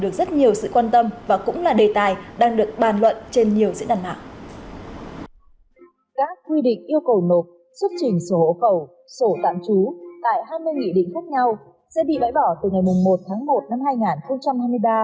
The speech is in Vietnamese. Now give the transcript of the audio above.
các quy định yêu cầu nộp xuất trình sổ hộ khẩu sổ tạm trú tại hai mươi nghị định khác nhau sẽ bị bãi bỏ từ ngày một tháng một năm hai nghìn hai mươi ba